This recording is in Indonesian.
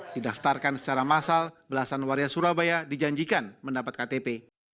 didaftarkan secara massal belasan warga surabaya dijanjikan mendapat ktp